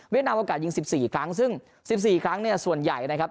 นามโอกาสยิง๑๔ครั้งซึ่ง๑๔ครั้งเนี่ยส่วนใหญ่นะครับ